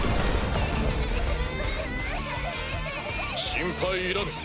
心配いらぬ。